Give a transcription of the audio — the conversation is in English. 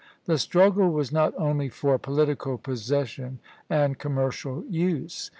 The struggle was not only for political possession and commercial use.